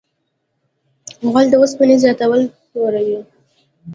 غول د اوسپنې زیاتوالی توروي.